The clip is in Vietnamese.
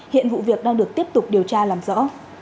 hiện vụ việc đang được tiếp tục điều tra làm rõ